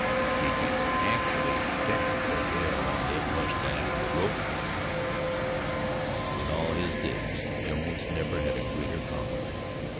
"Did yu acktully tech the hair of thet mustang with a rope?" In all his days Jones never had a greater complement.